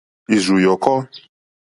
Ìrzù yɔ̀kɔ́.